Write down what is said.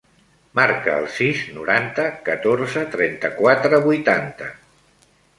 Marca el sis, noranta, catorze, trenta-quatre, vuitanta.